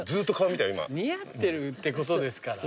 似合ってるってことですから。